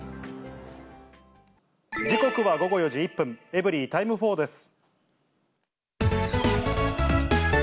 時刻は午後４時１分、エブリィタイム４です。